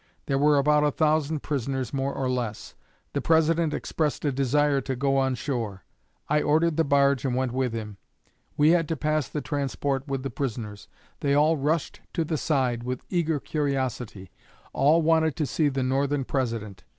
There were about a thousand prisoners, more or less. The President expressed a desire to go on shore. I ordered the barge and went with him. We had to pass the transport with the prisoners. They all rushed to the side with eager curiosity. All wanted to see the Northern President.